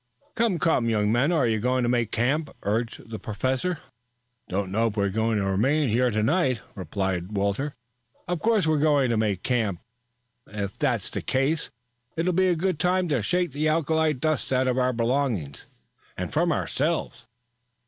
"Come, come, young men. Are you going to make camp?" urged the Professor. "Didn't know we were going to remain here to night," replied Walter. "Of course we're going to make camp if that's the case. It'll be a good time to shake the alkali dust out of our belongings and from ourselves."